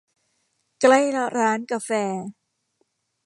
ใกล้ร้านกาแฟ